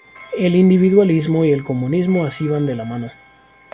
El individualismo y el comunismo así van de la mano.